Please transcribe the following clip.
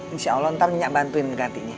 insya allah ntar gak bantuin gantinya